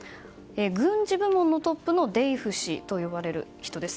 軍事部門のトップのデイフ氏といわれる人です。